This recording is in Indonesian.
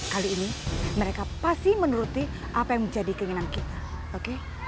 kali ini mereka pasti menuruti apa yang menjadi keinginan kita oke